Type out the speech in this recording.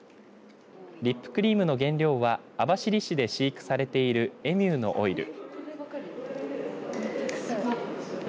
リップクリームの原料は網走市で飼育されているエミューのオイル。